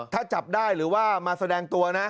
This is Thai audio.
ถ้าจับได้หรือว่ามาแสดงตัวนะ